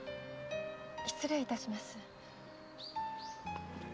失礼いたします。